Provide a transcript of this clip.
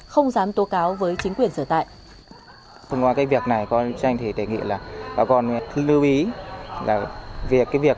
không dám tố cáo với chính quyền sở tại